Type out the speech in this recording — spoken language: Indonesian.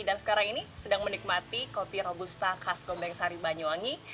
dan sekarang ini sedang menikmati kopi robusta khas gomeng sari banyuwangi